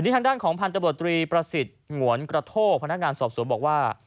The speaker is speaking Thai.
ทางด้านของพันธบรตรีประสิทธิ์หงวนกระโทกพนักงานสอบสวนบอกว่า